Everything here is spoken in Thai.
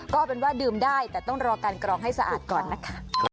ก็เป็นว่าดื่มได้แต่ต้องรอการกรองให้สะอาดก่อนนะคะ